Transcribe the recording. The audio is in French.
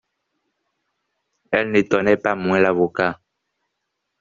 Elles n'étonnaient pas moins l'avocat.